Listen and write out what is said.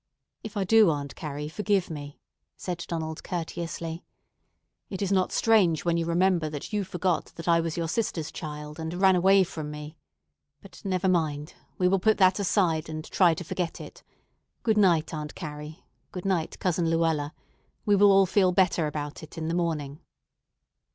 "If I do, Aunt Carrie, forgive me," said Donald courteously. "It is not strange when you remember that you forgot that I was your sister's child, and ran away from me. But never mind; we will put that aside and try to forget it. Good night, Aunt Carrie. Good night, Cousin Luella. We will all feel better about it in the morning."